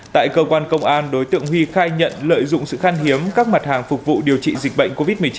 tại cơ quan công an đối tượng huy khai nhận lợi dụng sự khăn hiếm các mặt hàng phục vụ điều trị dịch bệnh covid một mươi chín